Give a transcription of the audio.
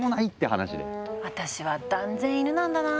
私は断然イヌなんだな。